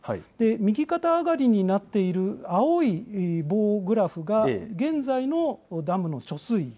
右肩上がりになっている青い棒グラフが現在のダムの貯水位。